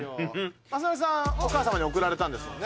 雅紀さんお母様に贈られたんですもんね。